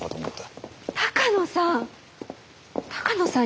鷹野さん。